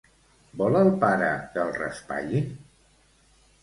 Vol el pare que el raspallin?